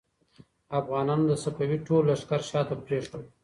افغانانو د صفوي ټول لښکر شا ته پرېښود.